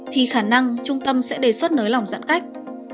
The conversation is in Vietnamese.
thì khả năng trung tâm sẽ đề xuất nới lỏng giãn cách